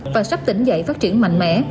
và sắp tỉnh dậy phát triển mạnh mẽ